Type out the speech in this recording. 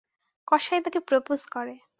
কসাই তাকে প্রোপোজ করে।